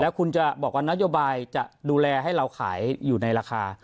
คุณจะบอกว่านโยบายจะดูแลให้เราขายอยู่ในราคา